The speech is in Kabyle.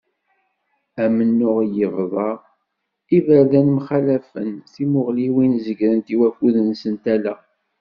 Amennuɣ yebḍa, iberdan mxalafen, timuɣliwin zegrent i wakkud-nsent, ala.